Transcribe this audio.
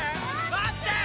待ってー！